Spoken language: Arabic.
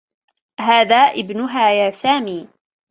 هذا ابنها يا سامي.